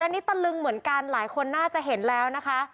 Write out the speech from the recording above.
อันนี้ตะลึงเหมือนกันหลายคนน่าจะเห็นแล้วนะคะ